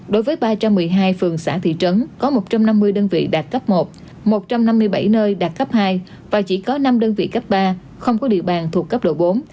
đối với ba trăm một mươi hai phường xã thị trấn có một trăm năm mươi đơn vị đạt cấp một một trăm năm mươi bảy nơi đạt cấp hai và chỉ có năm đơn vị cấp ba không có địa bàn thuộc cấp độ bốn